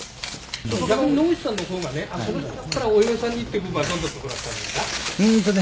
「逆に野口さんの方がねこの人だったらお嫁さんにっていう部分はどんなところだったんですか？」